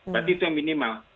berarti itu yang minimal